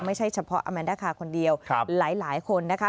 ไม่ใช่เฉพาะอแมนดาคาคนเดียวหลายคนนะคะ